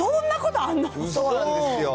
そうなんですよ。